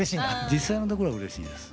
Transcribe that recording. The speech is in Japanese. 実際のところはうれしいです。